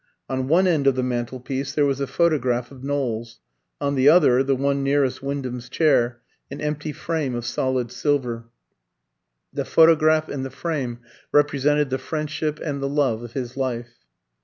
On one end of the mantel board there was a photograph of Knowles; on the other, the one nearest Wyndham's chair, an empty frame of solid silver. The photograph and the frame represented the friendship and the love of his life.